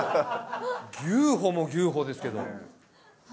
牛歩も牛歩ですけど。